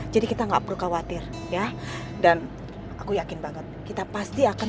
jadi kita enggak perlu khawatir ya dan aku yakin banget kita pasti akan